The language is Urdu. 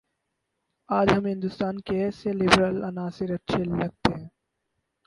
آج ہمیں ہندوستان کے ایسے لبرل عناصر اچھے لگتے ہیں